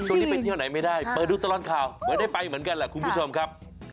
ช่วงนี้ไปเที่ยวไหนไม่ได้เปิดดูตลอดข่าวเหมือนได้ไปเหมือนกันแหละคุณผู้ชมครับ